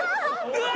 うわ！